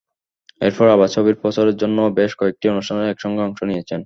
এরপর আবার ছবির প্রচারের জন্যও বেশ কয়েকটি অনুষ্ঠানে একসঙ্গে অংশ নিয়েছেন।